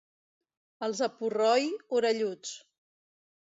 Els de Purroi, orelluts.